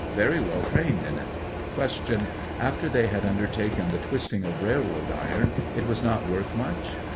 Very well trained in it. Q. After they had undertaken the twisting of railroad iron, it was not worth much